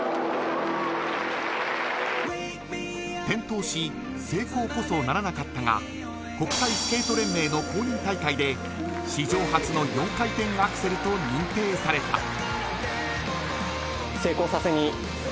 転倒し成功こそならなかったが国際スケート連盟の公認大会で史上初の４回転アクセルと認定された。